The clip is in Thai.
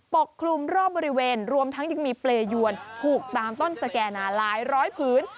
ปกคลุมรอบบริเวณรวมทั้งยังมีเปรยวนผูกตามต้นสแก่นาหลายร้อยผืน